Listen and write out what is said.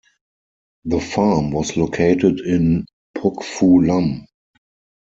The farm was located in Pok Fu Lam.